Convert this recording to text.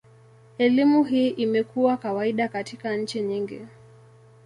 Elimu hii imekuwa kawaida katika nchi nyingi.